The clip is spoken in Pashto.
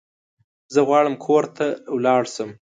زه غواړم کور ته لاړ شم